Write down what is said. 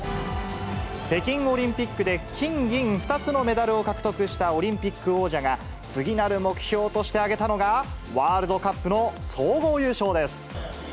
北京オリンピックで金銀２つのメダルを獲得したオリンピック王者が、次なる目標として挙げたのが、ワールドカップの総合優勝です。